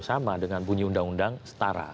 sama dengan bunyi undang undang setara